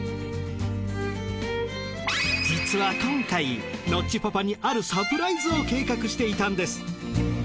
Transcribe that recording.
実は今回ノッチパパにあるサプライズを計画していたんです。